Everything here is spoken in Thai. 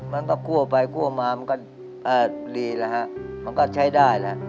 เพราะฉะนั้นก็กู้ไปกู้มามันก็ดีละฮะมันก็ใช้ได้ละ